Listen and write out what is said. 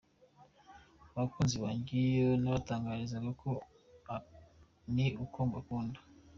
Abakunzi banjye icyo nabatangariza ni uko mbakunda.